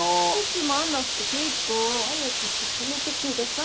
つまんなくて結構！早く進めてくださいな。